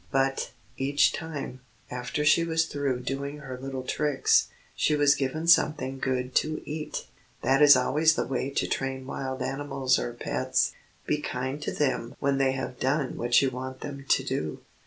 But, each time, after she was through doing her little tricks, she was given something good to eat. That is always the way to train wild animals or pets be kind to them when they have done what you want them to do.